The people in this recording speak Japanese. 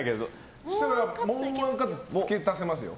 そしたらもう１カット付け足せますよ。